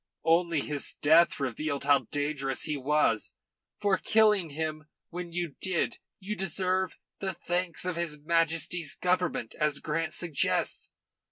Only his death revealed how dangerous he was. For killing him when you did you deserve the thanks of his Majesty's Government, as Grant suggests.